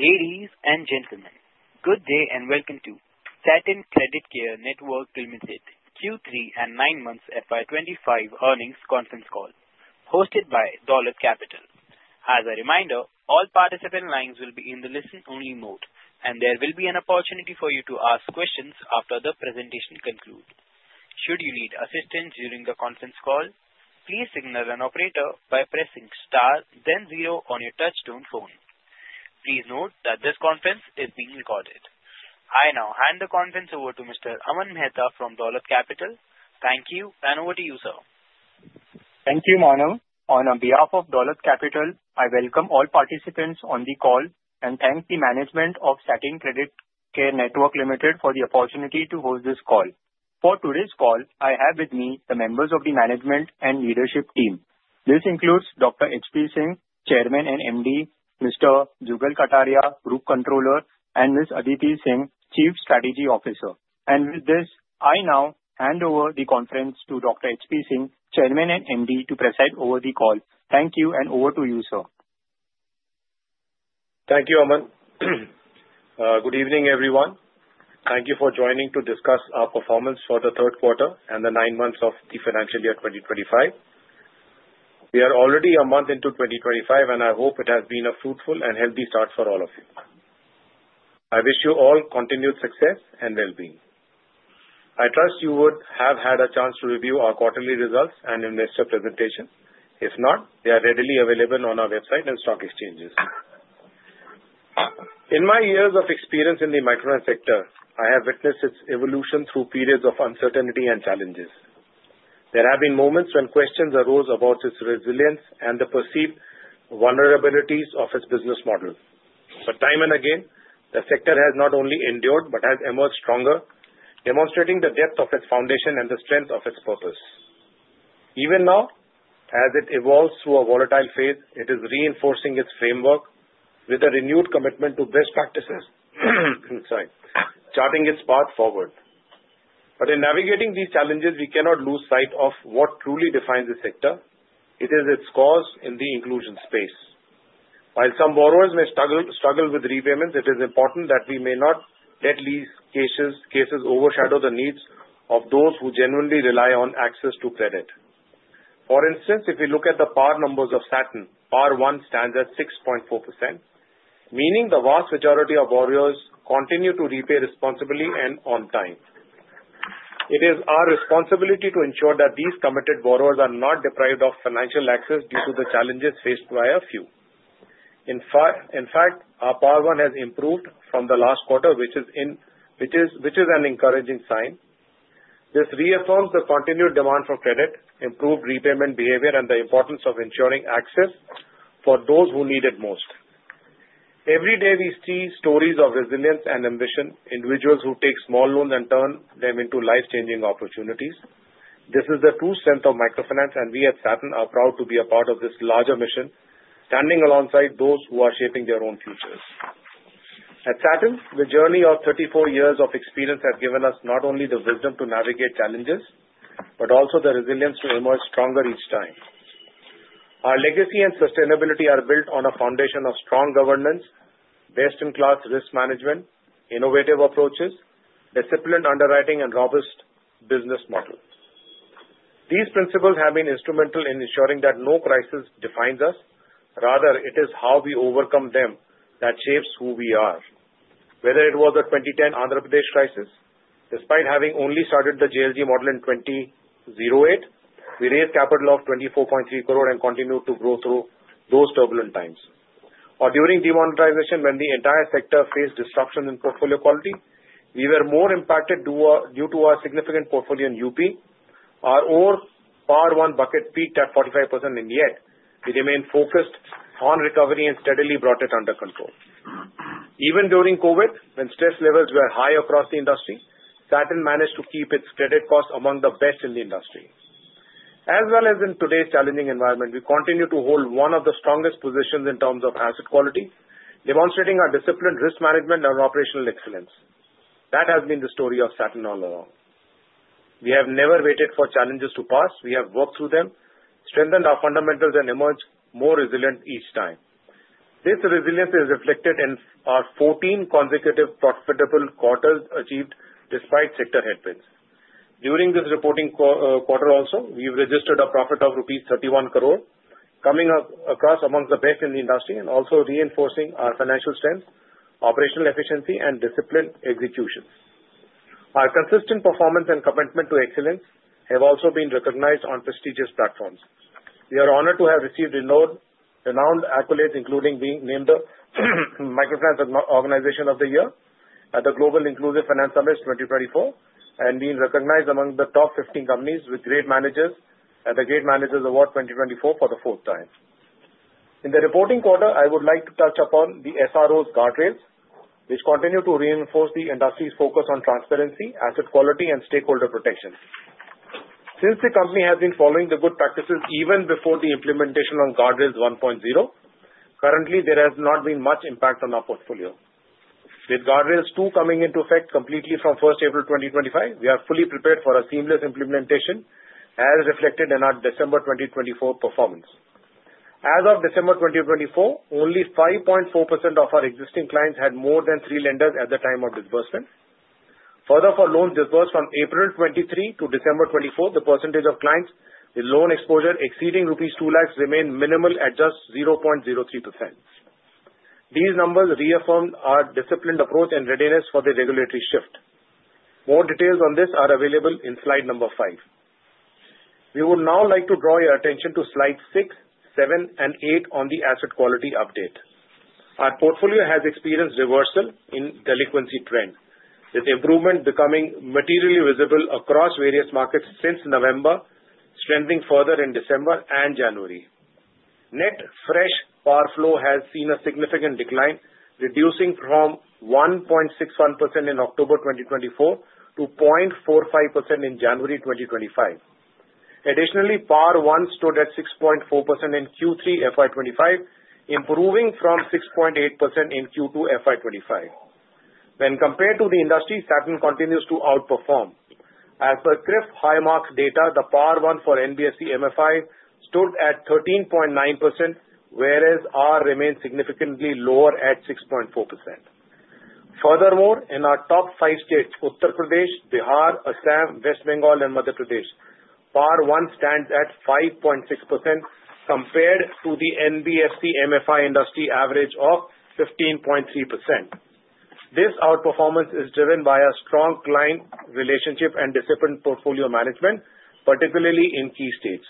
Ladies and gentlemen, good day and welcome to Satin Creditcare Network Q3 and 9 Months FY25 Earnings Conference Call, hosted by Dolat Capital. As a reminder, all participant lines will be in the listen-only mode, and there will be an opportunity for you to ask questions after the presentation concludes. Should you need assistance during the conference call, please signal an operator by pressing star, then zero on your touch-tone phone. Please note that this conference is being recorded. I now hand the conference over to Mr. Aman Mehta from Dolat Capital. Thank you, and over to you, sir. Thank you, Manu. On behalf of Dolat Capital, I welcome all participants on the call and thank the management of Satin Creditcare Network Limited for the opportunity to host this call. For today's call, I have with me the members of the management and leadership team. This includes Dr. HP Singh, Chairman and MD, Mr. Jugal Kataria, Group Controller, and Ms. Aditi Singh, Chief Strategy Officer. With this, I now hand over the conference to Dr. HP Singh, Chairman and MD, to preside over the call. Thank you, and over to you, sir. Thank you, Aman. Good evening, everyone. Thank you for joining to discuss our performance for the third quarter and the nine months of the financial year 2025. We are already a month into 2025, and I hope it has been a fruitful and healthy start for all of you. I wish you all continued success and well-being. I trust you would have had a chance to review our quarterly results and investor presentations. If not, they are readily available on our website and stock exchanges. In my years of experience in the microfinance sector, I have witnessed its evolution through periods of uncertainty and challenges. There have been moments when questions arose about its resilience and the perceived vulnerabilities of its business model. Time and again, the sector has not only endured but has emerged stronger, demonstrating the depth of its foundation and the strength of its purpose. Even now, as it evolves through a volatile phase, it is reinforcing its framework with a renewed commitment to best practices, charting its path forward. In navigating these challenges, we cannot lose sight of what truly defines the sector. It is its cause in the inclusion space. While some borrowers may struggle with repayments, it is important that we may not let these cases overshadow the needs of those who genuinely rely on access to credit. For instance, if we look at the PAR numbers of Satin, PAR one stands at 6.4%, meaning the vast majority of borrowers continue to repay responsibly and on time. It is our responsibility to ensure that these committed borrowers are not deprived of financial access due to the challenges faced by a few. In fact, our PAR one has improved from the last quarter, which is an encouraging sign. This reaffirms the continued demand for credit, improved repayment behavior, and the importance of ensuring access for those who need it most. Every day, we see stories of resilience and ambition, individuals who take small loans and turn them into life-changing opportunities. This is the true strength of microfinance, and we at Satin are proud to be a part of this larger mission, standing alongside those who are shaping their own futures. At Satin, the journey of 34 years of experience has given us not only the wisdom to navigate challenges but also the resilience to emerge stronger each time. Our legacy and sustainability are built on a foundation of strong governance, best-in-class risk management, innovative approaches, disciplined underwriting, and robust business models. These principles have been instrumental in ensuring that no crisis defines us. Rather, it is how we overcome them that shapes who we are. Whether it was the 2010 Andhra Pradesh crisis, despite having only started the JLG model in 2008, we raised capital of 24.3 crore and continued to grow through those turbulent times. Or during demonetization, when the entire sector faced disruptions in portfolio quality, we were more impacted due to our significant portfolio in UP. Our overall PAR one bucket peaked at 45%, and yet we remained focused on recovery and steadily brought it under control. Even during COVID, when stress levels were high across the industry, Satin managed to keep its credit costs among the best in the industry. As well as in today's challenging environment, we continue to hold one of the strongest positions in terms of asset quality, demonstrating our disciplined risk management and operational excellence. That has been the story of Satin all along. We have never waited for challenges to pass. We have worked through them, strengthened our fundamentals, and emerged more resilient each time. This resilience is reflected in our 14 consecutive profitable quarters achieved despite sector headwinds. During this reporting quarter also, we've registered a profit of rupees 31 crore, coming across among the best in the industry and also reinforcing our financial strength, operational efficiency, and disciplined execution. Our consistent performance and commitment to excellence have also been recognized on prestigious platforms. We are honored to have received renowned accolades, including being named the Microfinance Organization of the Year at the Global Inclusive Finance Summit 2024 and being recognized among the top 15 companies with great managers at the Great Managers Award 2024 for the fourth time. In the reporting quarter, I would like to touch upon the SRO's guardrails, which continue to reinforce the industry's focus on transparency, asset quality, and stakeholder protection. Since the company has been following the good practices even before the implementation of Guardrails 1.0, currently, there has not been much impact on our portfolio. With Guardrails 2.0 coming into effect completely from April 1, 2025, we are fully prepared for a seamless implementation, as reflected in our December 2024 performance. As of December 2024, only 5.4% of our existing clients had more than three lenders at the time of disbursement. Further, for loans disbursed from April 2023 to December 2024, the percentage of clients with loan exposure exceeding rupees 200,000 remained minimal at just 0.03%. These numbers reaffirm our disciplined approach and readiness for the regulatory shift. More details on this are available in slide number five. We would now like to draw your attention to slides six, seven, and eight on the asset quality update. Our portfolio has experienced reversal in delinquency trend, with improvement becoming materially visible across various markets since November, strengthening further in December and January. Net fresh PAR flow has seen a significant decline, reducing from 1.61% in October 2024 to 0.45% in January 2025. Additionally, PAR one stood at 6.4% in Q3 FY25, improving from 6.8% in Q2 FY25. When compared to the industry, Satin continues to outperform. As per CRIF Highmark data, the PAR one for NBFC-MFI stood at 13.9%, whereas ours remained significantly lower at 6.4%. Furthermore, in our top five states, Uttar Pradesh, Bihar, Assam, West Bengal, and Madhya Pradesh, PAR one stands at 5.6% compared to the NBFC-MFI industry average of 15.3%. This outperformance is driven by a strong client relationship and disciplined portfolio management, particularly in key states.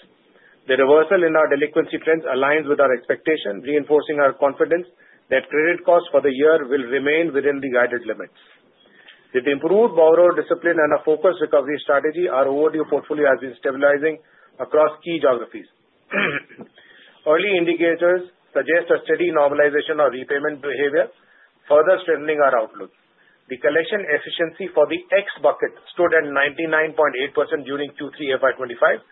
The reversal in our delinquency trends aligns with our expectation, reinforcing our confidence that credit costs for the year will remain within the guided limits. With improved borrower discipline and a focused recovery strategy, our overall portfolio has been stabilizing across key geographies. Early indicators suggest a steady normalization of repayment behavior, further strengthening our outlook. The collection efficiency for the X-bucket stood at 99.8% during Q3 FY2025,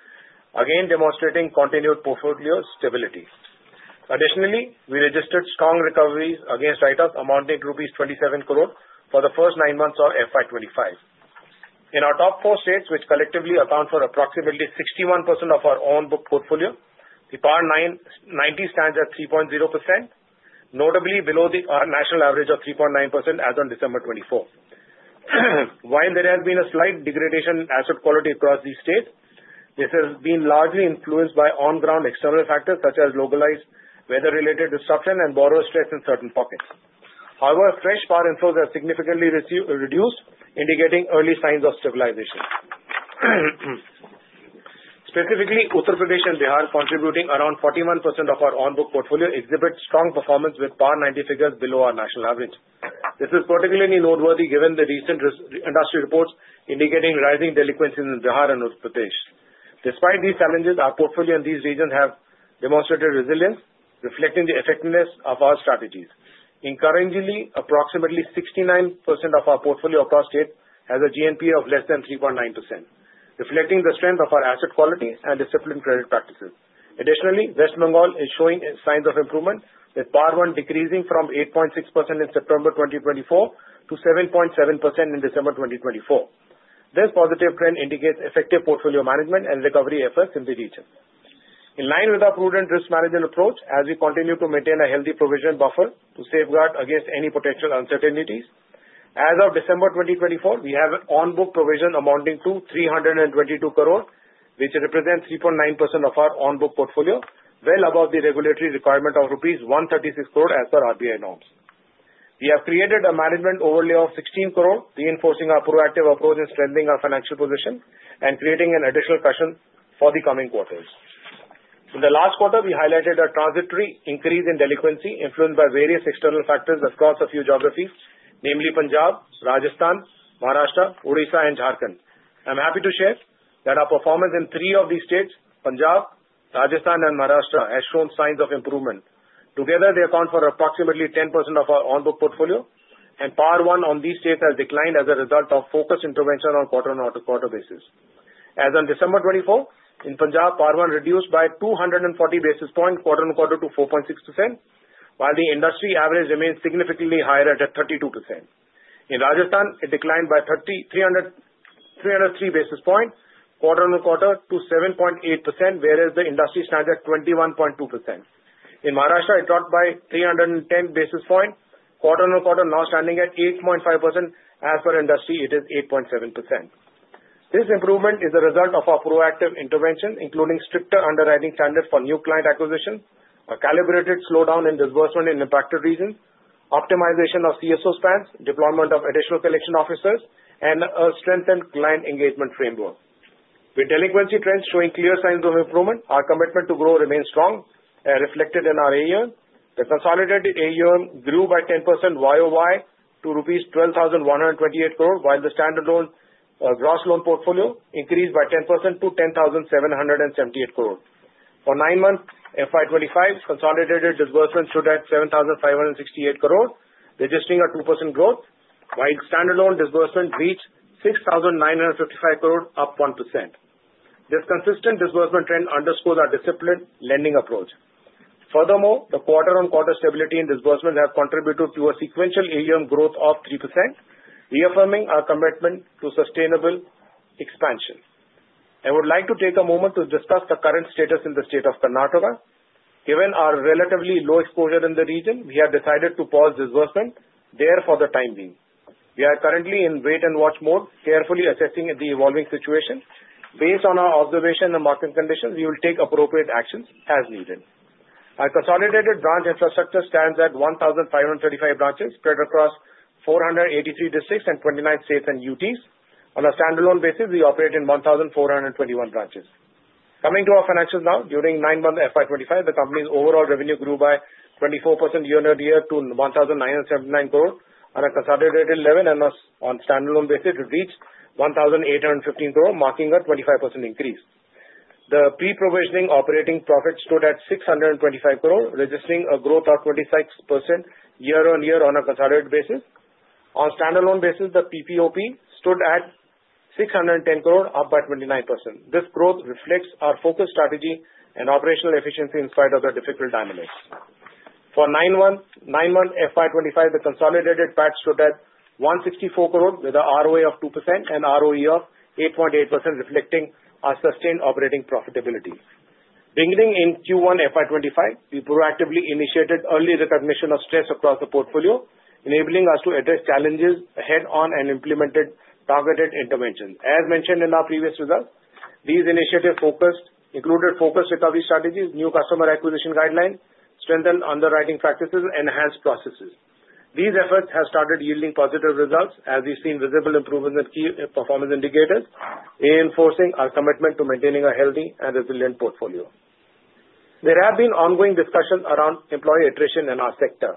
again demonstrating continued portfolio stability. Additionally, we registered strong recovery against write-offs amounting to INR 27 crore for the first nine months of FY2025. In our top four states, which collectively account for approximately 61% of our own book portfolio, the PAR 90 stands at 3.0%, notably below the national average of 3.9% as of December 2024. While there has been a slight degradation in asset quality across these states, this has been largely influenced by on-ground external factors such as localized weather-related disruption and borrower stress in certain pockets. However, fresh PAR inflows have significantly reduced, indicating early signs of stabilization. Specifically, Uttar Pradesh and Bihar, contributing around 41% of our own book portfolio, exhibit strong performance with PAR 90 figures below our national average. This is particularly noteworthy given the recent industry reports indicating rising delinquencies in Bihar and Uttar Pradesh. Despite these challenges, our portfolio in these regions has demonstrated resilience, reflecting the effectiveness of our strategies. Currently, approximately 69% of our portfolio across states has a GNP of less than 3.9%, reflecting the strength of our asset quality and disciplined credit practices. Additionally, West Bengal is showing signs of improvement, with PAR one decreasing from 8.6% in September 2024 to 7.7% in December 2024. This positive trend indicates effective portfolio management and recovery efforts in the region. In line with our prudent risk management approach, as we continue to maintain a healthy provision buffer to safeguard against any potential uncertainties, as of December 2024, we have an on-book provision amounting to 322 crore, which represents 3.9% of our on-book portfolio, well above the regulatory requirement of rupees 136 crore as per RBI norms. We have created a management overlay of 16 crore, reinforcing our proactive approach and strengthening our financial position and creating an additional cushion for the coming quarters. In the last quarter, we highlighted a transitory increase in delinquency influenced by various external factors across a few geographies, namely Punjab, Rajasthan, Maharashtra, Odisha, and Jharkhand. I'm happy to share that our performance in three of these states, Punjab, Rajasthan, and Maharashtra, has shown signs of improvement. Together, they account for approximately 10% of our on-book portfolio, and PAR one on these states has declined as a result of focused intervention on quarter-on-quarter basis. As of December 2024, in Punjab, PAR one reduced by 240 basis points quarter-on-quarter to 4.6%, while the industry average remained significantly higher at 32%. In Rajasthan, it declined by 303 basis points quarter-on-quarter to 7.8%, whereas the industry stands at 21.2%. In Maharashtra, it dropped by 310 basis points quarter-on-quarter, now standing at 8.5%. As per industry, it is 8.7%. This improvement is the result of our proactive intervention, including stricter underwriting standards for new client acquisition, a calibrated slowdown in disbursement in impacted regions, optimization of CSO spans, deployment of additional collection officers, and a strengthened client engagement framework. With delinquency trends showing clear signs of improvement, our commitment to grow remains strong, reflected in our AUM. The consolidated AUM grew by 10% YoY to rupees 12,128 crore, while the standalone gross loan portfolio increased by 10% to 10,778 crore. For nine months fiscal year 2025, consolidated disbursement stood at 7,568 crore, registering a 2% growth, while standalone disbursement reached 6,955 crore, up 1%. This consistent disbursement trend underscores our disciplined lending approach. Furthermore, the quarter-on-quarter stability in disbursement has contributed to a sequential AUM growth of 3%, reaffirming our commitment to sustainable expansion. I would like to take a moment to discuss the current status in the state of Karnataka. Given our relatively low exposure in the region, we have decided to pause disbursement there for the time being. We are currently in wait-and-watch mode, carefully assessing the evolving situation. Based on our observation and market conditions, we will take appropriate actions as needed. Our consolidated branch infrastructure stands at 1,535 branches spread across 483 districts and 29 states and UTs. On a standalone basis, we operate in 1,421 branches. Coming to our financials now, during nine months FY2025, the company's overall revenue grew by 24% year-on-year to 1,979 crore on a consolidated level, and on a standalone basis, it reached 1,815 crore, marking a 25% increase. The pre-provisioning operating profit stood at 625 crore, registering a growth of 26% year-on-year on a consolidated basis. On a standalone basis, the PPOP stood at 610 crore, up by 29%. This growth reflects our focused strategy and operational efficiency in spite of the difficult dynamics. For nine months FY2025, the consolidated PAT stood at 164 crore, with an ROA of 2% and ROE of 8.8%, reflecting our sustained operating profitability. Beginning in Q1 FY2025, we proactively initiated early recognition of stress across the portfolio, enabling us to address challenges head-on and implemented targeted interventions. As mentioned in our previous results, these initiatives included focused recovery strategies, new customer acquisition guidelines, strengthened underwriting practices, and enhanced processes. These efforts have started yielding positive results, as we've seen visible improvements in key performance indicators, reinforcing our commitment to maintaining a healthy and resilient portfolio. There have been ongoing discussions around employee attrition in our sector.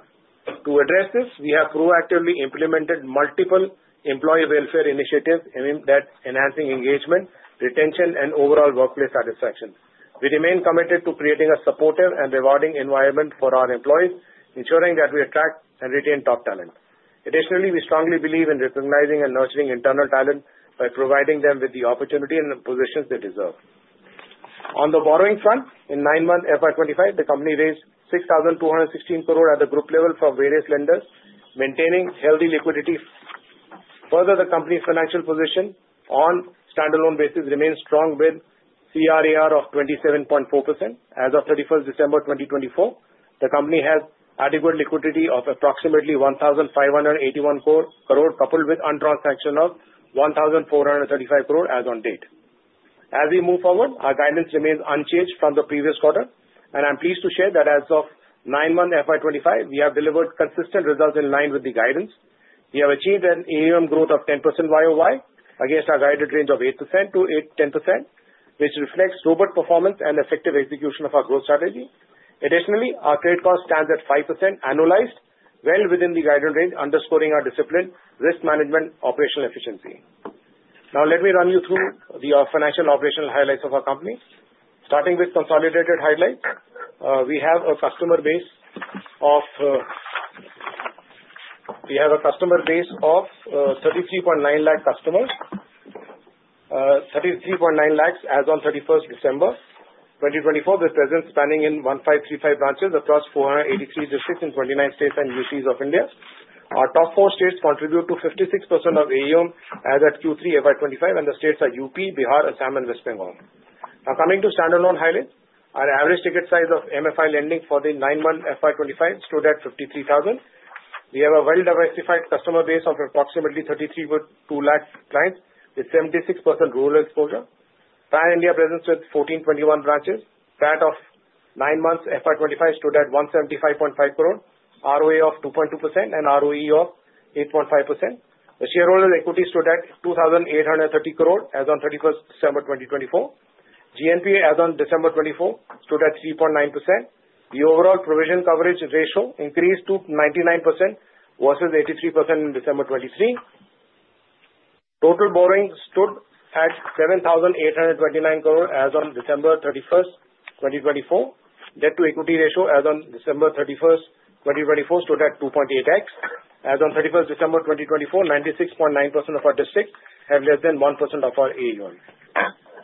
To address this, we have proactively implemented multiple employee welfare initiatives aimed at enhancing engagement, retention, and overall workplace satisfaction. We remain committed to creating a supportive and rewarding environment for our employees, ensuring that we attract and retain top talent. Additionally, we strongly believe in recognizing and nurturing internal talent by providing them with the opportunity and positions they deserve. On the borrowing front, in nine months FY25, the company raised 6,216 crore at the group level from various lenders, maintaining healthy liquidity. Further, the company's financial position on standalone basis remains strong, with CRAR of 27.4%. As of 31st December 2024, the company has adequate liquidity of approximately 1,581 crore, coupled with untransactional 1,435 crore as of date. As we move forward, our guidance remains unchanged from the previous quarter, and I'm pleased to share that as of nine months FY25, we have delivered consistent results in line with the guidance. We have achieved an AUM growth of 10% YoY against our guided range of 8%-10%, which reflects robust performance and effective execution of our growth strategy. Additionally, our credit cost stands at 5% annualized, well within the guided range, underscoring our discipline, risk management, operational efficiency. Now, let me run you through the financial operational highlights of our company. Starting with consolidated highlights, we have a customer base of 33.9 lakh customers, 33.9 lakh as of 31 December 2024, with presence spanning in 1,535 branches across 483 districts in 29 states and UTs of India. Our top four states contribute to 56% of AUM as at Q3 FY25, and the states are UP, Bihar, Assam, and West Bengal. Now, coming to standalone highlights, our average ticket size of MFI lending for the nine months FY25 stood at 53,000. We have a well-diversified customer base of approximately 33.2 lakh clients with 76% rural exposure. PAN India presence with 1,421 branches. That of nine months FY25 stood at 175.5 crore, ROA of 2.2%, and ROE of 8.5%. The shareholder equity stood at INR 2,830 crore as of 31 December 2024. GNP as of December 2024 stood at 3.9%. The overall provision coverage ratio increased to 99% versus 83% in December 2023. Total borrowing stood at 7,829 crore as of December 31, 2024. Debt to equity ratio as of December 31, 2024 stood at 2.8x. As of December 31, 2024, 96.9% of our districts have less than 1% of our AUM.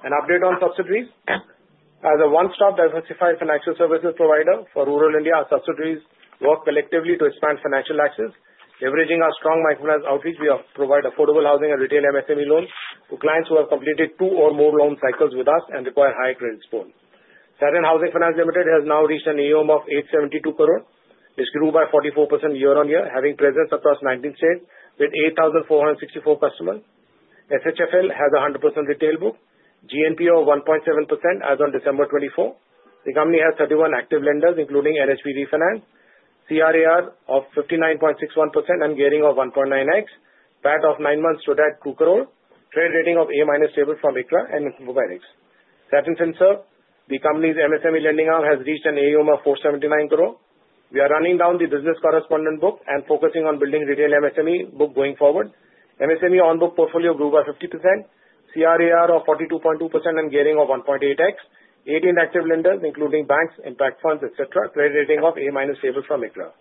An update on subsidiaries. As a one-stop diversified financial services provider for rural India, our subsidiaries work collectively to expand financial access. Leveraging our strong microfinance outreach, we provide affordable housing and retail MSME loans to clients who have completed two or more loan cycles with us and require high credit scores. Satin Housing Finance Limited has now reached an AUM of 872 crore, which grew by 44% year-on-year, having presence across 19 states with 8,464 customers. SHFL has a 100% retail book, GNP of 1.7% as of December 2024. The company has 31 active lenders, including NHB Refinance, CRAR of 59.61% and gearing of 1.9x. That of nine months stood at 2 crore. Trade rating of A minus stable from ICRA and Infomerics. Satin MSME, the company's MSME lending arm, has reached an AUM of INR 479 crore. We are running down the business correspondent book and focusing on building retail MSME book going forward. MSME on-book portfolio grew by 50%, CRAR of 42.2% and gearing of 1.8x, 18 active lenders, including banks, impact funds, etc., trade rating of A minus stable from ICRA.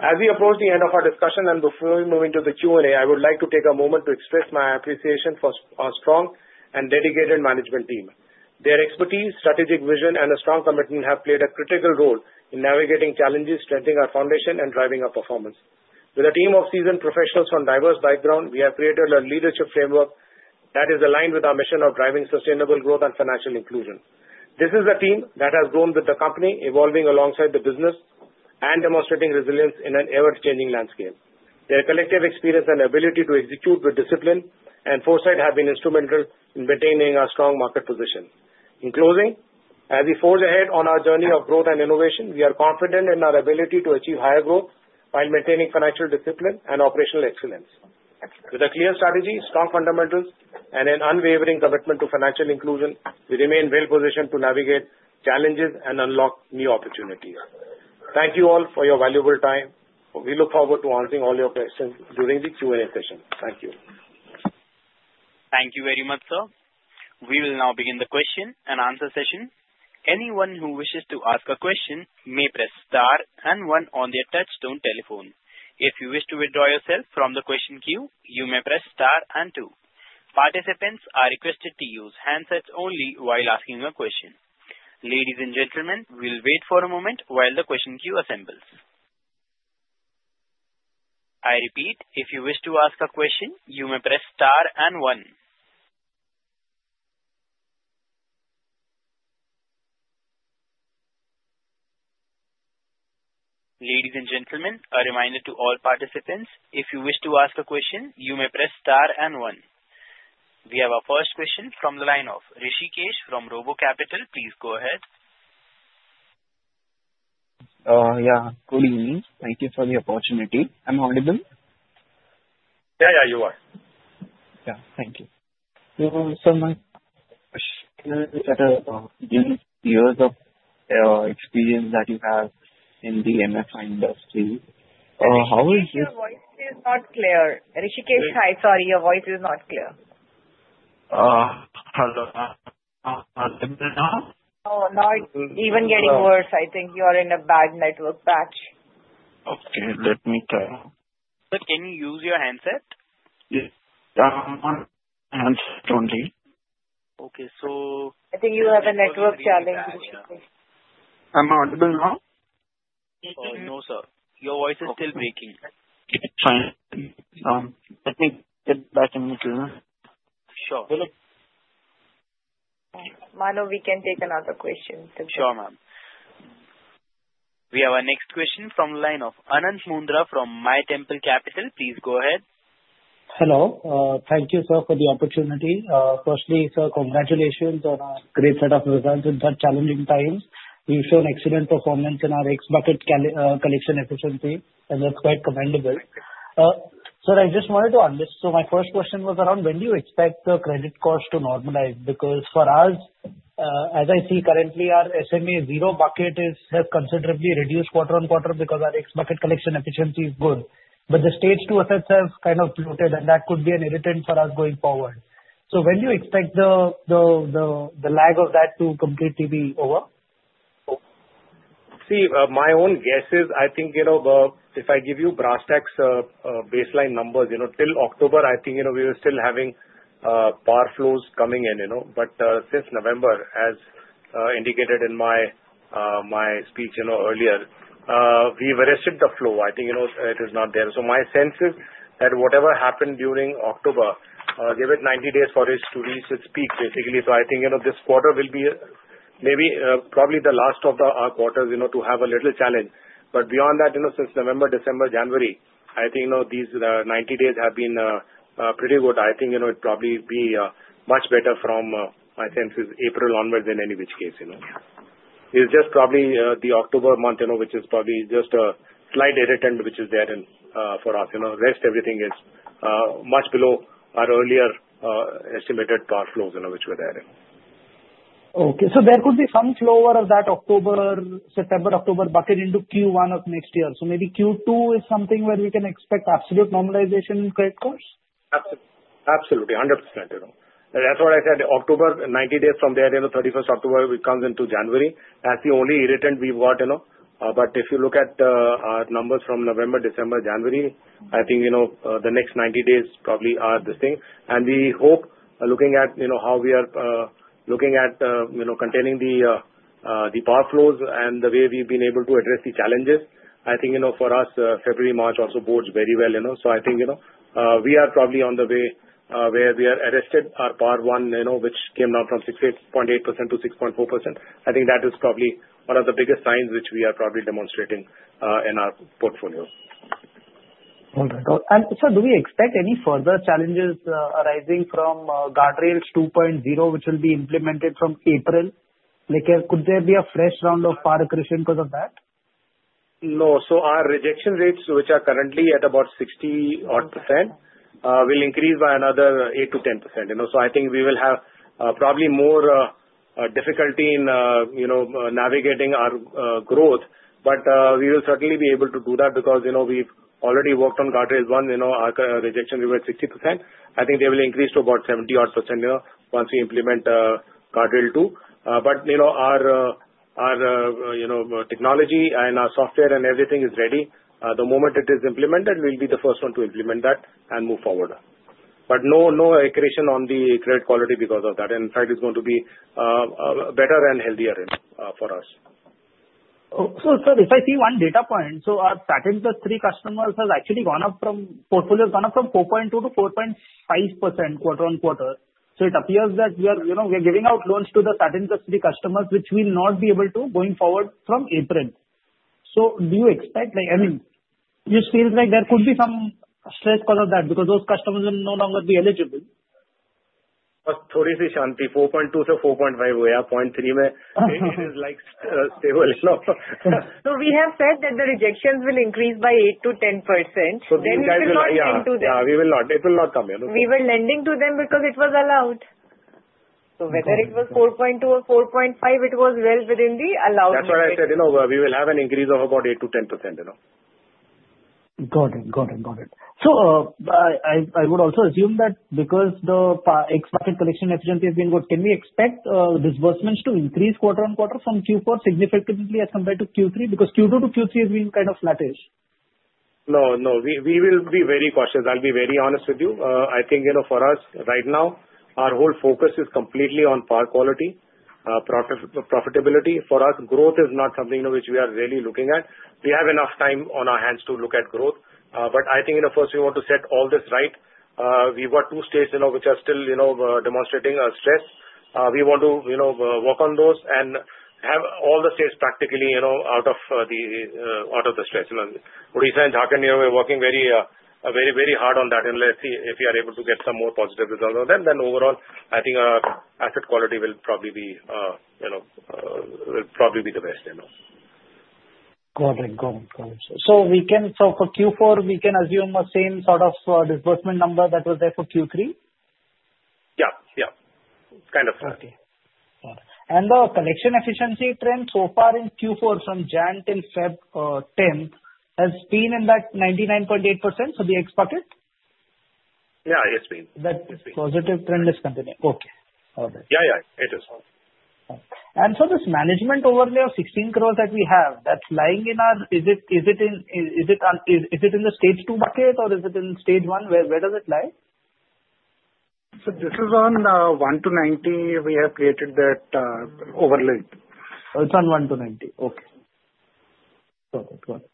As we approach the end of our discussion and before we move into the Q&A, I would like to take a moment to express my appreciation for our strong and dedicated management team. Their expertise, strategic vision, and a strong commitment have played a critical role in navigating challenges, strengthening our foundation, and driving our performance. With a team of seasoned professionals from diverse backgrounds, we have created a leadership framework that is aligned with our mission of driving sustainable growth and financial inclusion. This is a team that has grown with the company, evolving alongside the business and demonstrating resilience in an ever-changing landscape. Their collective experience and ability to execute with discipline and foresight have been instrumental in maintaining our strong market position. In closing, as we forge ahead on our journey of growth and innovation, we are confident in our ability to achieve higher growth while maintaining financial discipline and operational excellence. With a clear strategy, strong fundamentals, and an unwavering commitment to financial inclusion, we remain well-positioned to navigate challenges and unlock new opportunities. Thank you all for your valuable time. We look forward to answering all your questions during the Q&A session. Thank you. Thank you very much, sir. We will now begin the question and answer session. Anyone who wishes to ask a question may press star and one on their touchstone telephone. If you wish to withdraw yourself from the question queue, you may press star and two. Participants are requested to use handsets only while asking a question. Ladies and gentlemen, we'll wait for a moment while the question queue assembles. I repeat, if you wish to ask a question, you may press star and one. Ladies and gentlemen, a reminder to all participants, if you wish to ask a question, you may press star and one. We have our first question from the line of Rishikesh from RoboCapital. Please go ahead. Yeah, good evening. Thank you for the opportunity. I'm audible? Yeah, yeah, you are. Yeah, thank you. So nice. Can you share your years of experience that you have in the MFI industry? How is it? Your voice is not clear. Rishikesh, hi, sorry, your voice is not clear. Hello? Limit now? Oh, now it's even getting worse. I think you are in a bad network patch. Okay, let me try. Sir, can you use your handset? Yeah, one handset only. Okay, I think you have a network challenge, Rishikesh. I'm audible now? No, sir. Your voice is still breaking. Fine. Let me get back in the room. Sure. Hello. Manu, we can take another question. Sure, ma'am. We have our next question from the line of Anant Mundra from MyTemple Capital. Please go ahead. Hello. Thank you, sir, for the opportunity. Firstly, sir, congratulations on a great set of results in such challenging times. You've shown excellent performance in our X-bucket collection efficiency, and that's quite commendable. Sir, I just wanted to understand. My first question was around when do you expect the credit cost to normalize? Because for us, as I see currently, our SMA zero bucket has considerably reduced quarter on quarter because our X-bucket collection efficiency is good. The stage two effects have kind of floated, and that could be an irritant for us going forward. When do you expect the lag of that to completely be over? See, my own guess is I think if I give you brass tax baseline numbers, till October, I think we were still having power flows coming in. Since November, as indicated in my speech earlier, we've rested the flow. I think it is not there. My sense is that whatever happened during October, give it 90 days for it to reach its peak, basically. I think this quarter will be maybe probably the last of our quarters to have a little challenge. Beyond that, since November, December, January, I think these 90 days have been pretty good. I think it'd probably be much better from, I think, April onwards in any which case. It's just probably the October month, which is probably just a slight irritant which is there for us. Rest, everything is much below our earlier estimated power flows which were there. Okay, so there could be some flow over that September-October bucket into Q1 of next year. Maybe Q2 is something where we can expect absolute normalization in credit costs? Absolutely, 100%. That's what I said. October, 90 days from there, 31st October, we come into January. That's the only irritant we've got. If you look at our numbers from November, December, January, I think the next 90 days probably are the thing. We hope, looking at how we are looking at containing the PAR flows and the way we've been able to address the challenges, I think for us, February, March also bodes very well. I think we are probably on the way where we have arrested our PAR one, which came down from 6.8%-6.4%. I think that is probably one of the biggest signs which we are probably demonstrating in our portfolio. All right. Sir, do we expect any further challenges arising from Guardrails 2.0, which will be implemented from April? Could there be a fresh round of PAR accretion because of that? No. Our rejection rates, which are currently at about 60%, will increase by another 8%-10%. I think we will have probably more difficulty in navigating our growth. We will certainly be able to do that because we've already worked on Guardrails 1.0. Our rejection rate was 60%. I think they will increase to about 70% once we implement Guardrails 2.0. Our technology and our software and everything is ready. The moment it is implemented, we'll be the first one to implement that and move forward. No accretion on the credit quality because of that. In fact, it's going to be better and healthier for us. Sir, if I see one data point, our Satin Plus 3 customers have actually gone up from portfolio has gone up from 4.2% to 4.5% quarter on quarter. It appears that we are giving out loans to the Satin Plus 3 customers, which we'll not be able to going forward from April. Do you expect? I mean, it feels like there could be some stress because of that because those customers will no longer be eligible. But thori see shanti. 4.2-4.5, yeah. Point three maybe is like stable. We have said that the rejections will increase by 8%-10%. The guys will not lend to them. Yeah, we will not. It will not come. We were lending to them because it was allowed. Whether it was 4.2 or 4.5, it was well within the allowed range. That is what I said. We will have an increase of about 8%-10%. Got it. Got it. Got it. I would also assume that because the X-bucket collection efficiency has been good, can we expect disbursements to increase quarter on quarter from Q4 significantly as compared to Q3? Because Q2 to Q3 has been kind of flattish. No, no. We will be very cautious. I'll be very honest with you. I think for us, right now, our whole focus is completely on power quality, profitability. For us, growth is not something which we are really looking at. We have enough time on our hands to look at growth. I think first we want to set all this right. We've got two states which are still demonstrating stress. We want to work on those and have all the states practically out of the stress. Odisha and Jharkhand, we're working very, very hard on that. Let's see if we are able to get some more positive results. Overall, I think asset quality will probably be the best. Got it. Got it. Got it. For Q4, we can assume the same sort of disbursement number that was there for Q3? Yeah. Yeah. Kind of. Okay. The collection efficiency trend so far in Q4 from January till February 10 has been in that 99.8% for the X-bucket? Yeah, it's been. It's been. The positive trend is continuing. Okay. All right. Yeah, yeah. It is. For this management overlay of 16 crore that we have, that's lying in our, is it in the stage two bucket or is it in stage one? Where does it lie? This is on one to 90. We have created that overlay. It's on one to 90. Okay. Got it. Got it.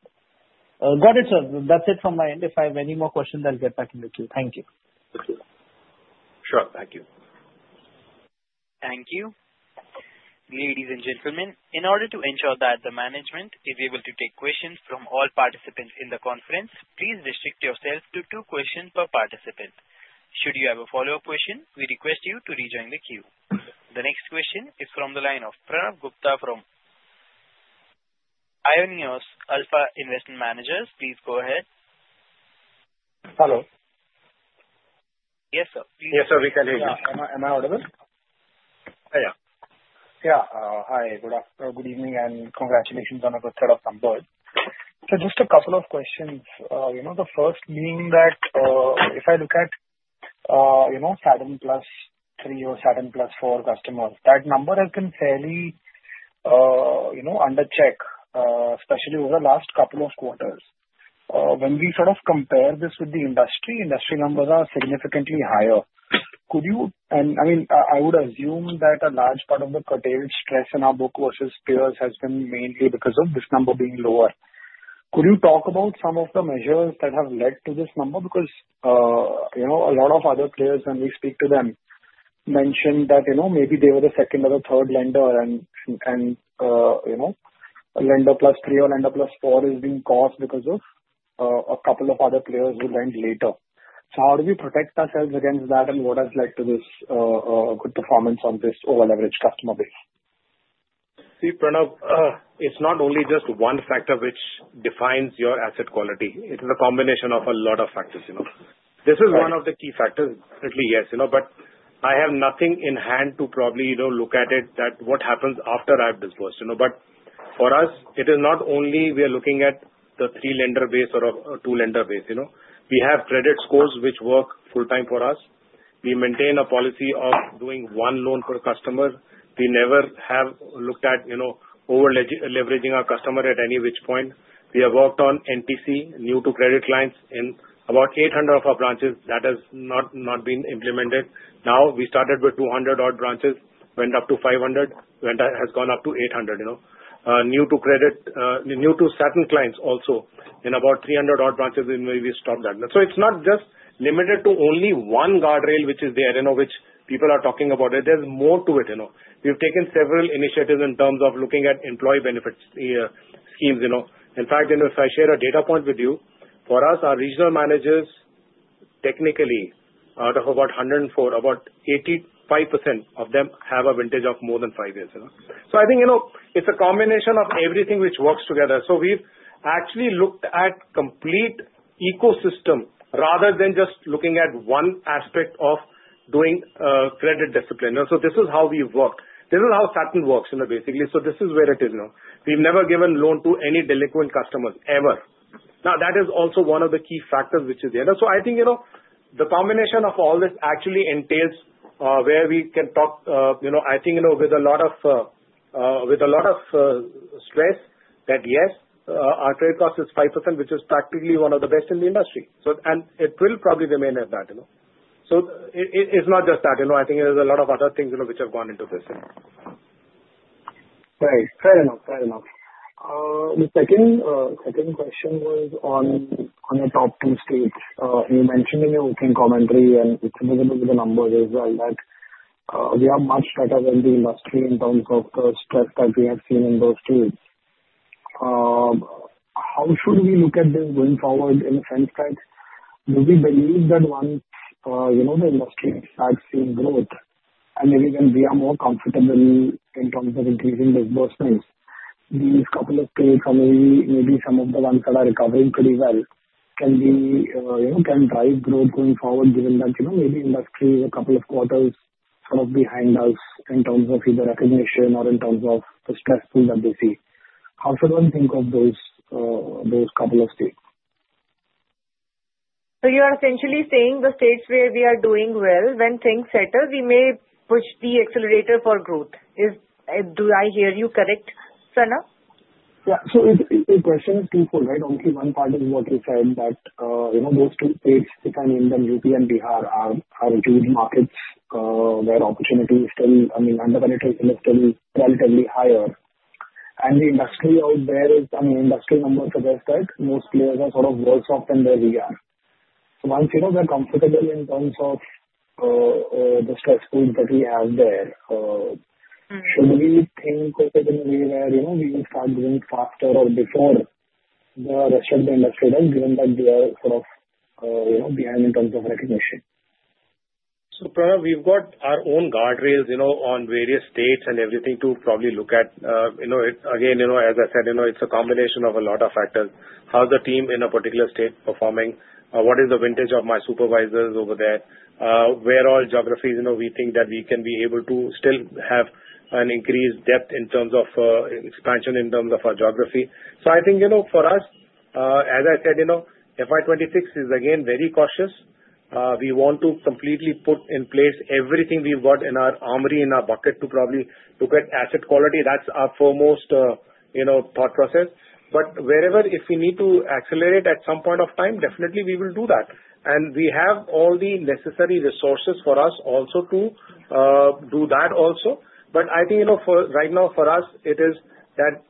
Got it, sir. That's it from my end. If I have any more questions, I'll get back in the queue. Thank you. Sure. Thank you. Thank you. Ladies and gentlemen, in order to ensure that the management is able to take questions from all participants in the conference, please restrict yourself to two questions per participant. Should you have a follow-up question, we request you to rejoin the queue. The next question is from the line of Pranav Gupta from Aionios Alpha Investment Managers. Please go ahead. Hello. Yes, sir. Yes, sir, we can hear you. Am I audible? Yeah. Yeah. Hi. Good afternoon. Good evening and congratulations on a good set of numbers. Just a couple of questions. The first being that if I look at Satin Plus 3 or Satin Plus 4 customers, that number has been fairly under check, especially over the last couple of quarters. When we sort of compare this with the industry, industry numbers are significantly higher. I mean, I would assume that a large part of the curtailed stress in our book versus peers has been mainly because of this number being lower. Could you talk about some of the measures that have led to this number? Because a lot of other players, when we speak to them, mention that maybe they were the second or the third lender and lender plus three or lender plus four is being caused because of a couple of other players who lend later. How do we protect ourselves against that and what has led to this good performance on this over-average customer base? See, Pranav, it's not only just one factor which defines your asset quality. It is a combination of a lot of factors. This is one of the key factors, definitely, yes. I have nothing in hand to probably look at it that what happens after I've disbursed. For us, it is not only we are looking at the three-lender base or two-lender base. We have credit scores which work full-time for us. We maintain a policy of doing one loan per customer. We never have looked at over-leveraging our customer at any which point. We have worked on NTC, new-to-credit clients in about 800 of our branches. That has not been implemented. Now we started with 200-odd branches, went up to 500, has gone up to 800. New-to-credit, new-to-satin clients also in about 300-odd branches. We maybe stopped that. It is not just limited to only one guardrail which is there, which people are talking about. There is more to it. We have taken several initiatives in terms of looking at employee benefits schemes. In fact, if I share a data point with you, for us, our regional managers, technically, out of about 104, about 85% of them have a vintage of more than five years. I think it's a combination of everything which works together. We've actually looked at complete ecosystem rather than just looking at one aspect of doing credit discipline. This is how we work. This is how Satin works, basically. This is where it is. We've never given loan to any delinquent customers ever. That is also one of the key factors which is there. I think the combination of all this actually entails where we can talk, I think, with a lot of stress that, yes, our trade cost is 5%, which is practically one of the best in the industry. It will probably remain at that. It is not just that. I think there are a lot of other things which have gone into this. Right. Fair enough. Fair enough. The second question was on the top two states. You mentioned in your booking commentary, and it is visible with the numbers as well, that we are much better than the industry in terms of the stress that we have seen in those states. How should we look at this going forward in a sense that do we believe that once the industry starts seeing growth and maybe then we are more comfortable in terms of increasing disbursements, these couple of states, or maybe some of the ones that are recovering pretty well, can drive growth going forward, given that maybe industry is a couple of quarters sort of behind us in terms of either recognition or in terms of the stress that they see? How should one think of those couple of states? You are essentially saying the states where we are doing well, when things settle, we may push the accelerator for growth. Do I hear you correct, Pranav? Yeah. The question is twofold, right? Only one part is what you said, that those two states, if I name them, UP and Bihar, are huge markets where opportunity is still, I mean, under penetration is still relatively higher. The industry out there, I mean, industry numbers suggest that most players are sort of worse off than where we are. Once we're comfortable in terms of the stress points that we have there, should we think of it in a way where we will start going faster or before the rest of the industry does, given that we are sort of behind in terms of recognition? Pranav, we've got our own guardrails on various states and everything to probably look at. Again, as I said, it's a combination of a lot of factors. How's the team in a particular state performing? What is the vintage of my supervisors over there? Where all geographies we think that we can be able to still have an increased depth in terms of expansion in terms of our geography? I think for us, as I said, FY 2026 is, again, very cautious. We want to completely put in place everything we've got in our armory, in our bucket, to probably look at asset quality. That's our foremost thought process. Wherever, if we need to accelerate at some point of time, definitely we will do that. We have all the necessary resources for us also to do that also. I think right now for us, it is that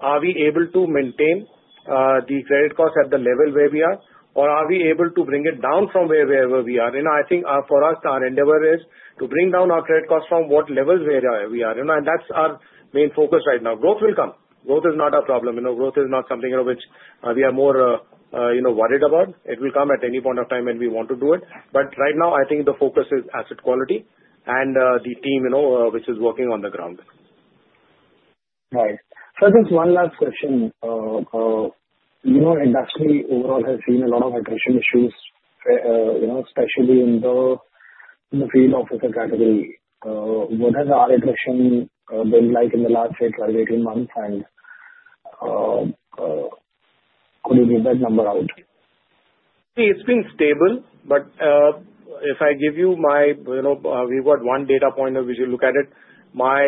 are we able to maintain the credit cost at the level where we are, or are we able to bring it down from wherever we are? I think for us, our endeavor is to bring down our credit cost from what levels where we are. That's our main focus right now. Growth will come. Growth is not our problem. Growth is not something which we are more worried about. It will come at any point of time, and we want to do it. Right now, I think the focus is asset quality and the team which is working on the ground. Right. Just one last question. The industry overall has seen a lot of accretion issues, especially in the field office category. What has our accretion been like in the last 18 months? Could you give that number out? See, it's been stable. If I give you my, we've got one data point of which you look at it. My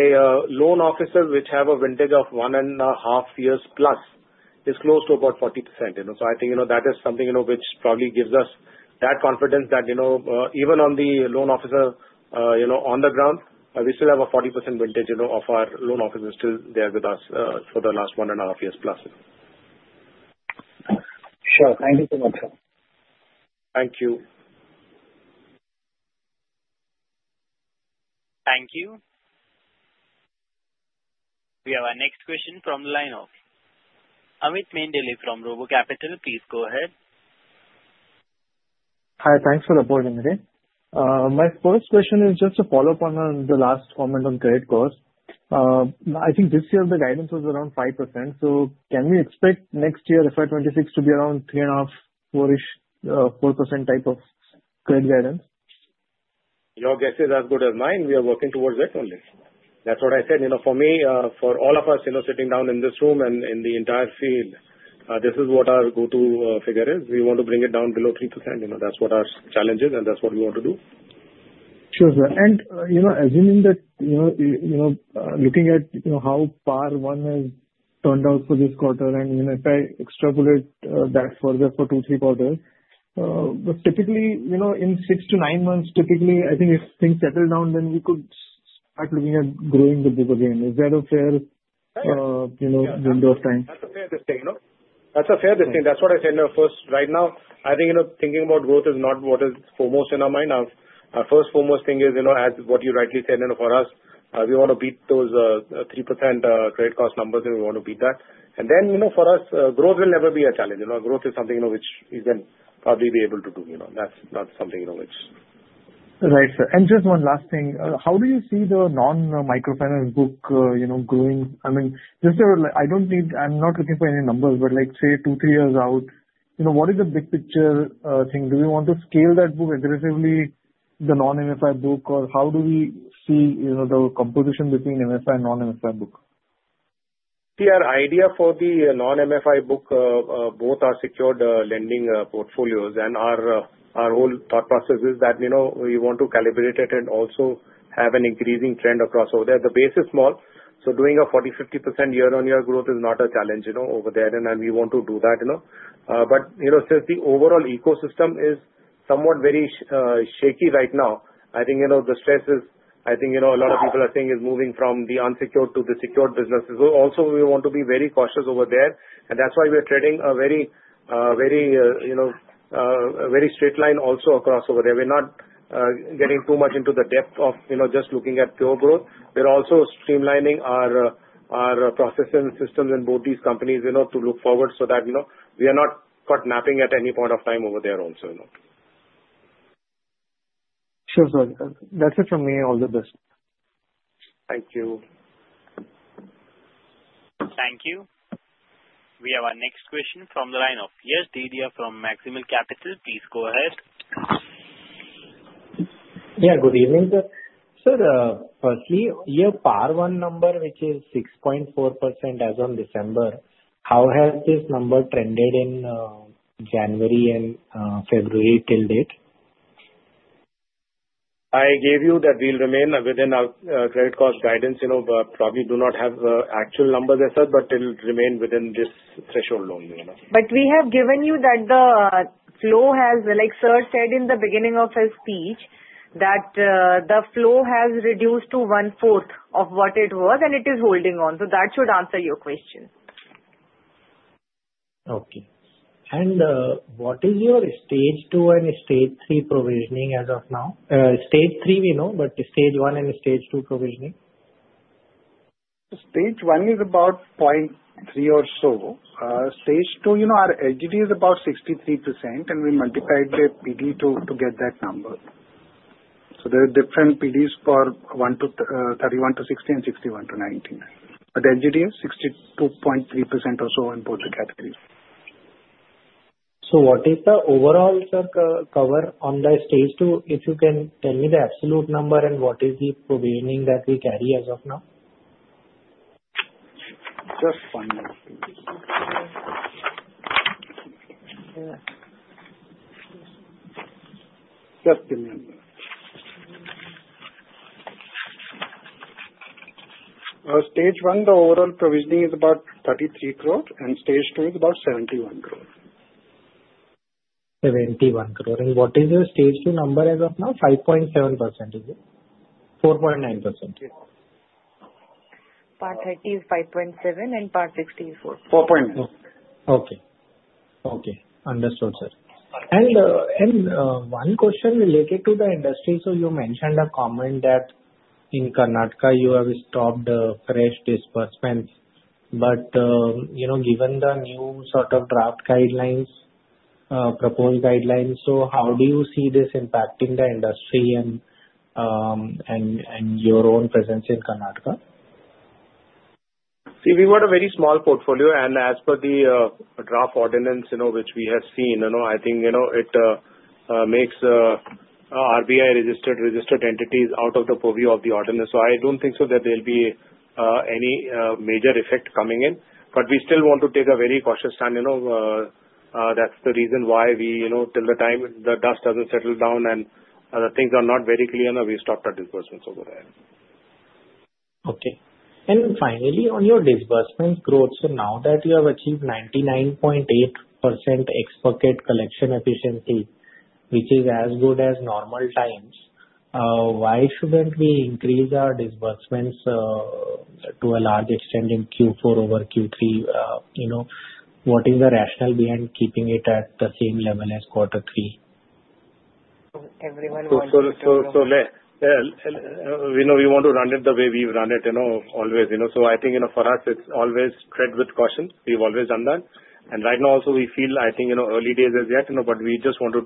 loan officers, which have a vintage of one and a half years plus, is close to about 40%. I think that is something which probably gives us that confidence that even on the loan officer on the ground, we still have a 40% vintage of our loan officers still there with us for the last one and a half years plus. Sure. Thank you so much, sir. Thank you. Thank you. We have our next question from the line of Amit Mehendale from RoboCapital. Please go ahead. Hi. Thanks for the opportunity. My first question is just to follow up on the last comment on credit cost. I think this year, the guidance was around 5%. Can we expect next year, FY 2026, to be around 3.5%-4%, 4% type of credit guidance? Your guess is as good as mine. We are working towards it only. That is what I said. For me, for all of us sitting down in this room and in the entire field, this is what our go-to figure is. We want to bring it down below 3%. That is what our challenge is, and that is what we want to do. Sure, sir. Assuming that looking at how PAR one has turned out for this quarter, and if I extrapolate that further for two, three quarters, typically in six to nine months, typically, I think if things settle down, then we could start looking at growing the book again. Is that a fair window of time? That is a fair distinct. That is a fair distinct. That is what I said. First, right now, I think thinking about growth is not what is foremost in our mind. Our first foremost thing is, as what you rightly said, for us, we want to beat those 3% credit cost numbers, and we want to beat that. For us, growth will never be a challenge. Growth is something which we can probably be able to do. That's not something which. Right, sir. Just one last thing. How do you see the non-microfinance book going? I mean, just so I don't need, I'm not looking for any numbers, but say two, three years out, what is the big picture thing? Do we want to scale that book aggressively, the non-MFI book, or how do we see the composition between MFI and non-MFI book? See, our idea for the non-MFI book, both our secured lending portfolios and our whole thought process is that we want to calibrate it and also have an increasing trend across over there. The base is small, so doing a 40%-50% year-on-year growth is not a challenge over there, and we want to do that. Since the overall ecosystem is somewhat very shaky right now, I think the stress is, I think a lot of people are saying, is moving from the unsecured to the secured businesses. Also, we want to be very cautious over there, and that's why we're treading a very, very straight line also across over there. We're not getting too much into the depth of just looking at pure growth. We're also streamlining our processes and systems in both these companies to look forward so that we are not caught napping at any point of time over there also. Sure, sir. That's it from me. All the best. Thank you. Thank you. We have our next question from the line of Yash Dedhia from Maximal Capital. Please go ahead. Yeah. Good evening, sir. Sir, firstly, your PAR one number, which is 6.4% as of December, how has this number trended in January and February till date? I gave you that we'll remain within our credit cost guidance. We probably do not have actual numbers as such, but it'll remain within this threshold only. We have given you that the flow has, like Sir said in the beginning of his speech, that the flow has reduced to one-fourth of what it was, and it is holding on. That should answer your question. Okay. What is your stage two and stage three provisioning as of now? Stage three, we know, but stage one and stage two provisioning? Stage one is about 0.3 or so. Stage two, our LGD is about 63%, and we multiplied the PD to get that number. There are different PDs for 31-60 and 61-90. LGD is 62.3% or so in both the categories. What is the overall, Sir, cover on the stage two? If you can tell me the absolute number and what is the provisioning that we carry as of now? Just one moment. Just a minute. Stage one, the overall provisioning is about 33 crore, and stage two is about 71 crore. 71 crore. What is your stage two number as of now? 5.7% is it? 4.9%? Yes. PAR 30 is 5.7, and PAR 60 is 4.9. 4.9. Okay. Okay. Understood, sir. One question related to the industry. You mentioned a comment that in Karnataka, you have stopped fresh disbursements. Given the new sort of draft guidelines, proposed guidelines, how do you see this impacting the industry and your own presence in Karnataka? See, we've got a very small portfolio, and as per the draft ordinance which we have seen, I think it makes RBI-registered entities out of the purview of the ordinance. I do not think that there will be any major effect coming in. We still want to take a very cautious stand. That is the reason why we, till the time the dust does not settle down and things are not very clear enough, have stopped our disbursements over there. Okay. Finally, on your disbursement growth, now that you have achieved 99.8% X-bucket collection efficiency, which is as good as normal times, why should we not increase our disbursements to a large extent in Q4 over Q3? What is the rationale behind keeping it at the same level as Quarter 3? Everyone wants to. We want to run it the way we've run it always. I think for us, it's always tread with caution. We've always done that. Right now, also, we feel, I think, early days as yet, but we just want to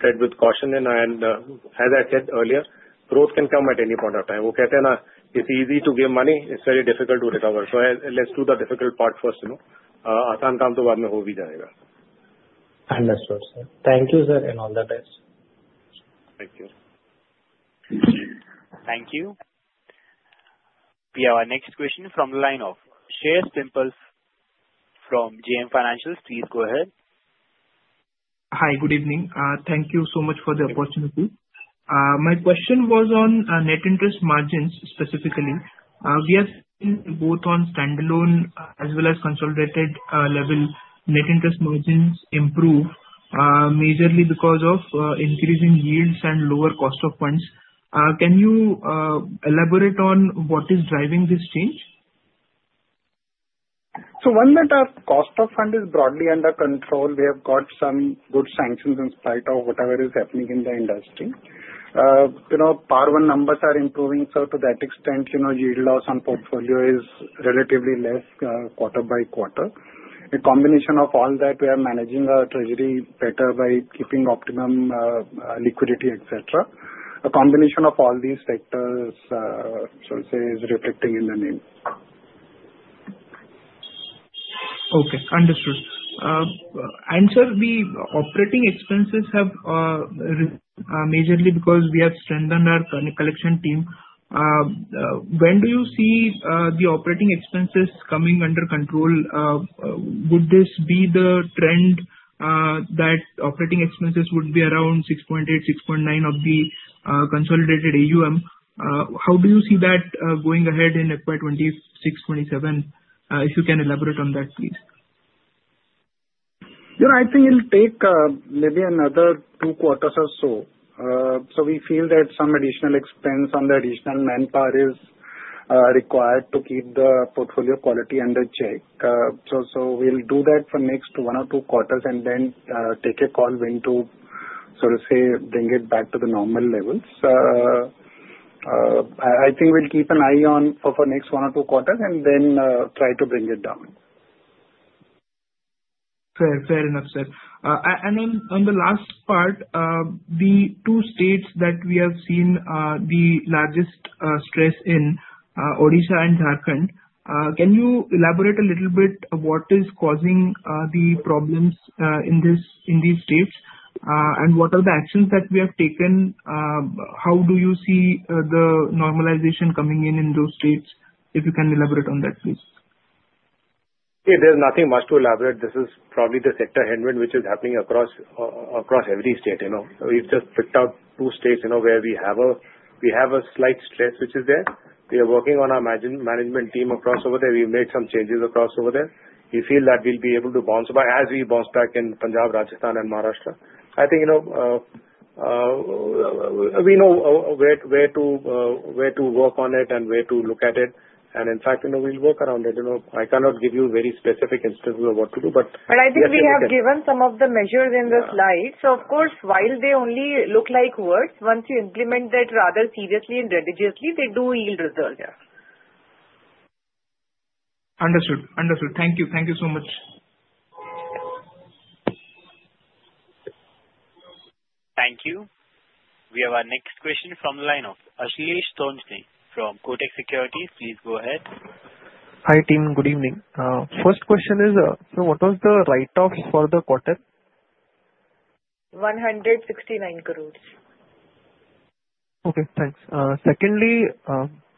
tread with caution. As I said earlier, growth can come at any point of time. We'll get there. It's easy to give money. It's very difficult to recover. Let's do the difficult part first. Asan kam to baad me ho vi jayega. Understood, sir. Thank you, sir, and all the best. Thank you. Thank you. We have our next question from the line of Shreyas Pimple from JM Financial. Please go ahead. Hi. Good evening. Thank you so much for the opportunity. My question was on net interest margins, specifically. We have seen both on standalone as well as consolidated level, net interest margins improve majorly because of increasing yields and lower cost of funds. Can you elaborate on what is driving this change? One, that our cost of fund is broadly under control. We have got some good sanctions in spite of whatever is happening in the industry. PAR one numbers are improving, so to that extent, yield loss on portfolio is relatively less quarter by quarter. A combination of all that, we are managing our treasury better by keeping optimum liquidity, etc. A combination of all these factors, so to say, is reflecting in the name. Okay. Understood. Sir, the operating expenses have risen majorly because we have strengthened our collection team. When do you see the operating expenses coming under control? Would this be the trend that operating expenses would be around 6.8-6.9% of the consolidated AUM? How do you see that going ahead in FY2026, 2027? If you can elaborate on that, please. I think it'll take maybe another two quarters or so. We feel that some additional expense on the additional manpower is required to keep the portfolio quality under check. We will do that for the next one or two quarters and then take a call when to, so to say, bring it back to the normal levels. I think we'll keep an eye on for next one or two quarters and then try to bring it down. Fair enough, sir. On the last part, the two states that we have seen the largest stress in, Odisha and Jharkhand. Can you elaborate a little bit what is causing the problems in these states and what are the actions that we have taken? How do you see the normalization coming in in those states? If you can elaborate on that, please. See, there's nothing much to elaborate. This is probably the sector headwind which is happening across every state. We've just picked out two states where we have a slight stress which is there. We are working on our management team across over there. We've made some changes across over there. We feel that we'll be able to bounce back as we bounce back in Punjab, Rajasthan, and Maharashtra. I think we know where to work on it and where to look at it. In fact, we'll work around it. I cannot give you very specific instances of what to do. But I think we have given some of the measures in the slides. Of course, while they only look like words, once you implement that rather seriously and religiously, they do yield results. Understood. Understood. Thank you. Thank you so much. Thank you. We have our next question from the line of Ashlesh Sonje from Kotak Securities. Please go ahead. Hi, team. Good evening. First question is, so what was the write-offs for the quarter? INR 1.69 billion. Okay. Thanks. Secondly,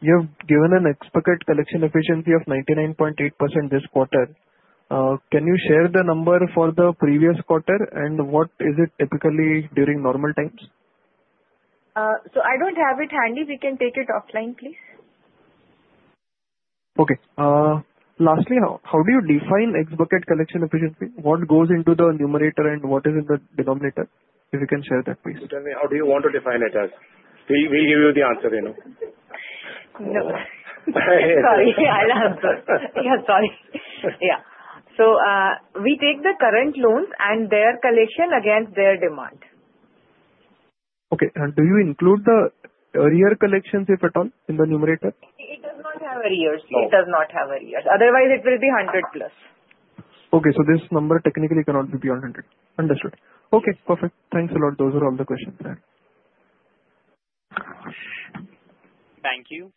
you have given an X-bucket collection efficiency of 99.8% this quarter. Can you share the number for the previous quarter, and what is it typically during normal times? I do not have it handy. We can take it offline, please. Okay. Lastly, how do you define X-bucketcollection efficiency? What goes into the numerator and what is in the denominator? If you can share that, please. Tell me how you want to define it as. We will give you the answer. No. Sorry. I will answer. Yeah. Sorry. Yeah. We take the current loans and their collection against their demand. Okay. Do you include the earlier collections, if at all, in the numerator? It does not have earliers. It does not have earliers. Otherwise, it will be 100 plus. Okay. This number technically cannot be beyond 100. Understood. Okay. Perfect. Thanks a lot. Those are all the questions I have. Thank you.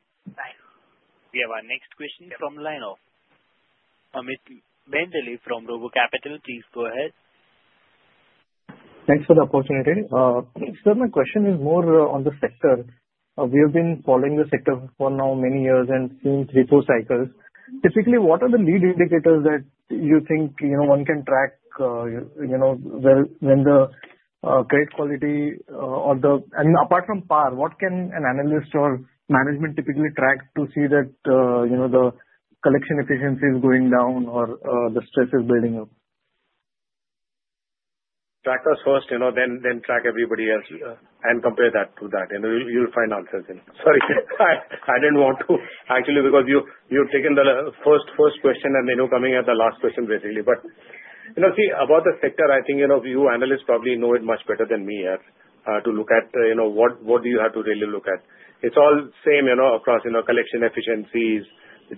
We have our next question from the line of Amit Mehendale from RoboCapital. Please go ahead. Thanks for the opportunity. Sir, my question is more on the sector. We have been following the sector for now many years and seen three or four cycles. Typically, what are the lead indicators that you think one can track when the credit quality or the and apart from PAR, what can an analyst or management typically track to see that the collection efficiency is going down or the stress is building up? Track us first, then track everybody else and compare that to that. You'll find answers. Sorry. I didn't want to, actually, because you've taken the first question and then you're coming at the last question, basically. See, about the sector, I think you analysts probably know it much better than me to look at what do you have to really look at. It's all same across collection efficiencies,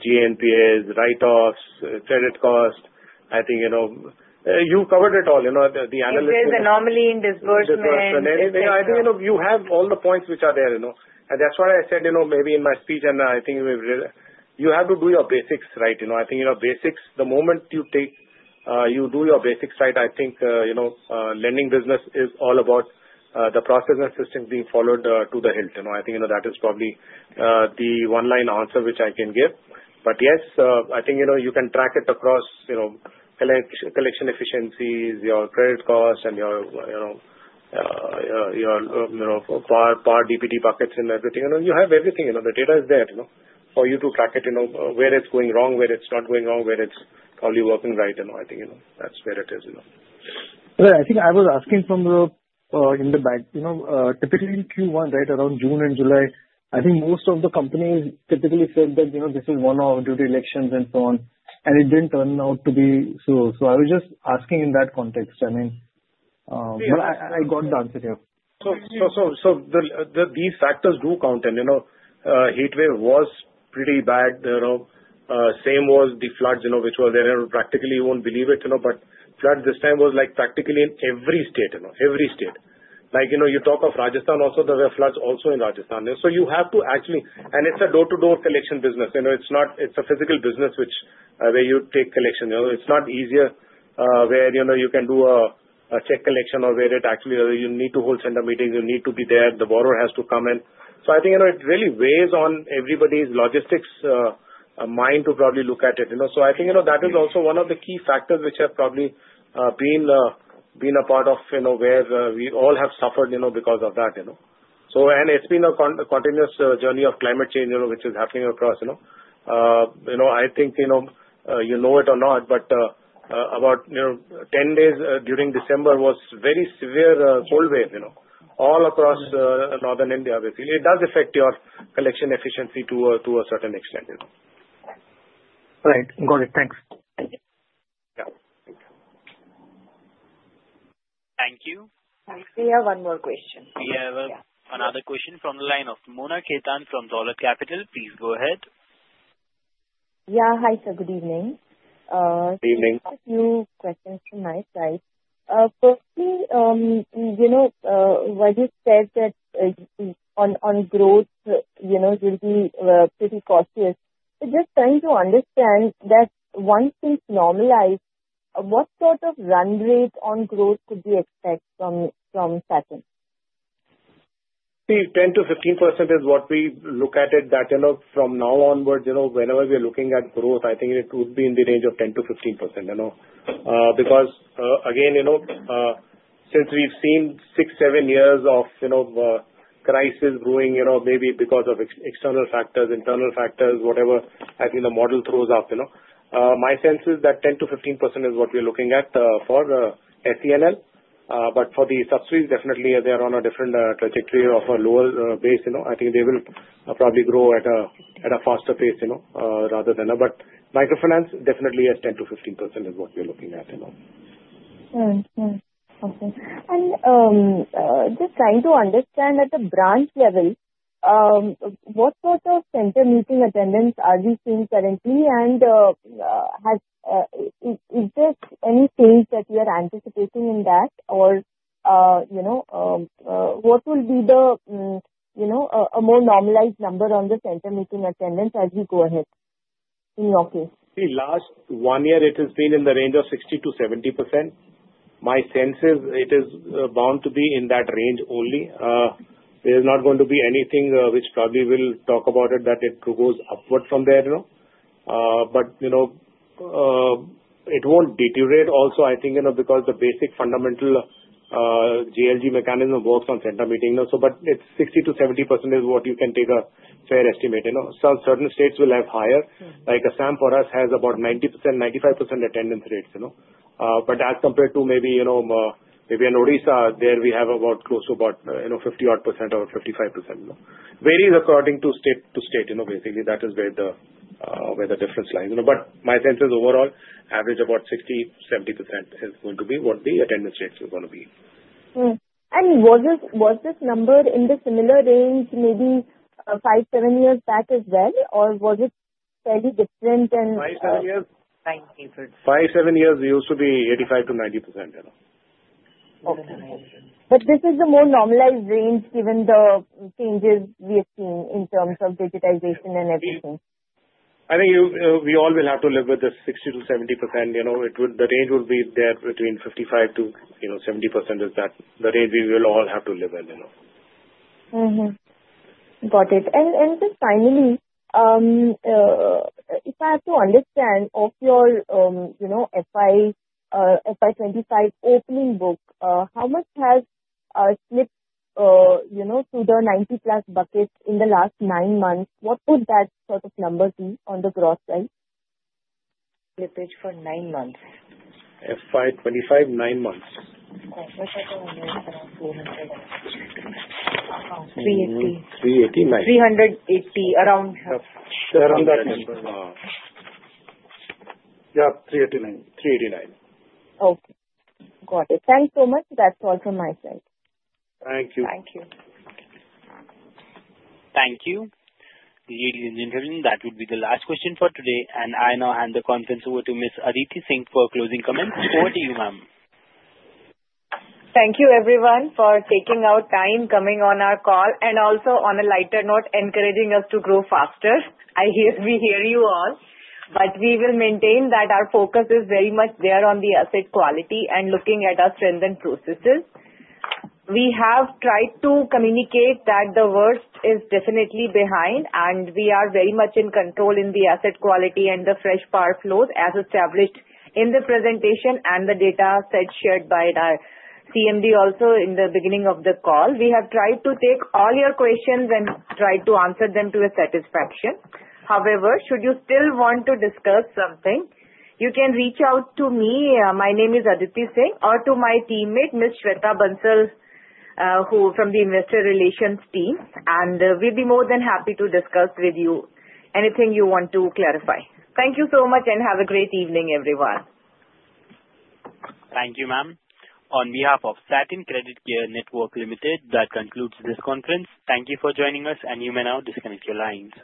GNPAs, write-offs, credit cost. I think you've covered it all. The analysts. Disbursement. Disbursement. I think you have all the points which are there. That's why I said maybe in my speech, and I think you have to do your basics right. I think your basics, the moment you do your basics right, I think lending business is all about the process and systems being followed to the hilt. I think that is probably the one line answer which I can give. Yes, I think you can track it across collection efficiencies, your credit cost, and your PAR, DPD buckets, and everything. You have everything. The data is there for you to track it, where it's going wrong, where it's not going wrong, where it's probably working right. I think that's where it is. I think I was asking from the in the back. Typically, in Q1, right around June and July, I think most of the companies typically said that this is one-hour duty elections and so on, and it didn't turn out to be so. I was just asking in that context, I mean. I got the answer here. These factors do count in. Heatwave was pretty bad. Same was the floods, which were there. Practically, you won't believe it, but floods this time was practically in every state. Every state. You talk of Rajasthan also, there were floods also in Rajasthan. You have to actually and it's a door-to-door collection business. It's a physical business where you take collection. It's not easier where you can do a check collection or where actually you need to hold center meetings. You need to be there. The borrower has to come in. I think it really weighs on everybody's logistics mind to probably look at it. I think that is also one of the key factors which have probably been a part of where we all have suffered because of that. It's been a continuous journey of climate change which is happening across. I think you know it or not, but about 10 days during December was very severe cold wave all across northern India. It does affect your collection efficiency to a certain extent. Right. Got it. Thanks. Yeah. Thank you. Thank you. Actually, I have one more question. We have another question from the line of Mona Ketan from Dolat Capital. Please go ahead. Yeah. Hi, sir. Good evening. Good evening. A few questions from my side. Firstly, what you said that on growth, it will be pretty cautious. Just trying to understand that once things normalize, what sort of run rate on growth could we expect from Satin? See, 10%-15% is what we look at it that from now onwards, whenever we are looking at growth, I think it would be in the range of 10%-15%. Because again, since we've seen six, seven years of crisis brewing, maybe because of external factors, internal factors, whatever, I think the model throws up. My sense is that 10%-15% is what we're looking at for SCNL. For the subsidiaries, definitely, they are on a different trajectory of a lower base. I think they will probably grow at a faster pace rather than microfinance, definitely, at 10%-15% is what we're looking at. Okay. Just trying to understand at the branch level, what sort of center meeting attendance are we seeing currently? Is there any change that you are anticipating in that? Or what will be a more normalized number on the center meeting attendance as we go ahead in your case? See, last one year, it has been in the range of 60%-70%. My sense is it is bound to be in that range only. There is not going to be anything which probably we'll talk about it that it goes upward from there. It won't deteriorate also, I think, because the basic fundamental GLG mechanism works on center meeting. It's 60%-70% is what you can take a fair estimate. Some certain states will have higher. Like Assam for us has about 90%, 95% attendance rates. As compared to maybe an Odisha, there we have close to about 50-odd percent or 55%. Varies according to state, basically. That is where the difference lies. My sense is overall, average about 60%-70% is going to be what the attendance rates are going to be. Was this number in the similar range maybe five, seven years back as well? Or was it fairly different then? Five, seven years? Thank you. Five, seven years, we used to be 85%-90%. Okay. This is the more normalized range given the changes we have seen in terms of digitization and everything. I think we all will have to live with the 60%-70%. The range will be there between 55%-70% is the range we will all have to live in. Got it. Just finally, if I have to understand, of your FY2025 opening book, how much has slipped to the 90-plus buckets in the last nine months? What would that sort of number be on the gross side? Slippage for nine months. FY2025, nine months. FY2025, around 380. 380. 389. 380, around. Around that number. Yeah. 389. 389. Okay. Got it. Thanks so much. That's all from my side. Thank you. Thank you. Thank you. We're leaving the interview. That would be the last question for today. I now hand the conference over to Ms. Aditi Singh for closing comments. Over to you, ma'am. Thank you, everyone, for taking out time, coming on our call, and also on a lighter note, encouraging us to grow faster. We hear you all. We will maintain that our focus is very much there on the asset quality and looking at our strength and processes. We have tried to communicate that the worst is definitely behind, and we are very much in control in the asset quality and the fresh PAR flows as established in the presentation and the data set shared by our CMD also in the beginning of the call. We have tried to take all your questions and tried to answer them to your satisfaction. However, should you still want to discuss something, you can reach out to me. My name is Aditi Singh, or to my teammate, Ms. Shweta Bansal, from the investor relations team. We will be more than happy to discuss with you anything you want to clarify. Thank you so much and have a great evening, everyone. Thank you, ma'am. On behalf of Satin Creditcare Network Limited, that concludes this conference. Thank you for joining us, and you may now disconnect your lines.